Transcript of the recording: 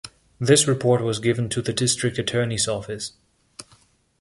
This report was given to the District Attorney's office.